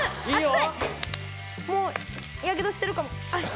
もうやけどしてるかも。